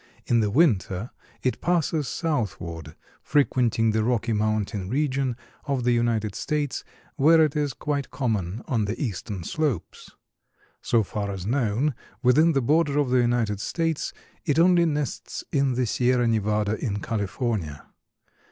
In the winter it passes southward, frequenting the Rocky Mountain region of the United States, where it is quite common on the eastern slopes. So far as known, within the border of the United States, it only nests in the Sierra Nevada in California.